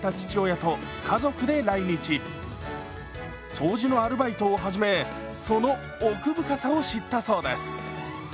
掃除のアルバイトを始めその奥深さを知ったそうです。